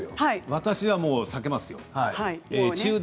私はもう避けますよ。